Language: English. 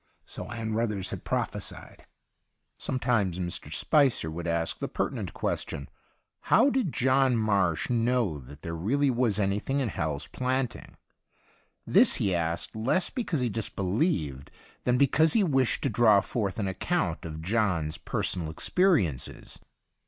So Ann Ruthers had prophesied. Sometimes Mr. Spicer would ask the pertinent question, how did John Marsh know that there really was anything in Hal's Planting ? This he asked, less because he disbelieved, than because he wished to draw forth an account of John's personal experiences.